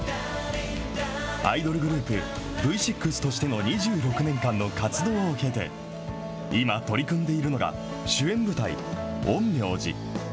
アイドルグループ、Ｖ６としての２６年間の活動を経て、今、取り組んでいるのが、主演舞台、陰陽師。